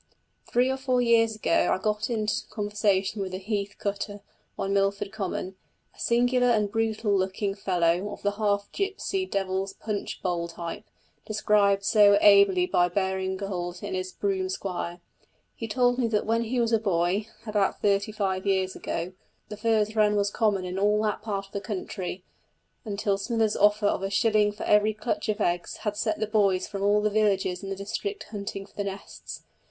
Three or four years ago I got in conversation with a heath cutter on Milford Common, a singular and brutal looking fellow, of the half Gypsy Devil's Punch Bowl type, described so ably by Baring Gould in his Broom Squire. He told me that when he was a boy, about thirty five years ago, the furze wren was common in all that part of the country, until Smithers' offer of a shilling for every clutch of eggs, had set the boys from all the villages in the district hunting for the nests.